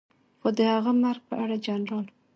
خو د هغه مرګ په اړه جنرال